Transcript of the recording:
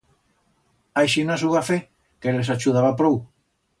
Aixinas hu va fer, que les achudaba prou.